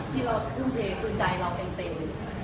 ที่เราคลึมเทคือใจเราเป็นเตรียม